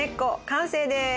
完成です！